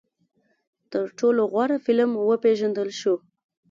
تر ټولو غوره فلم وپېژندل شو